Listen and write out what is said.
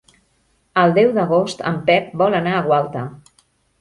El deu d'agost en Pep vol anar a Gualta.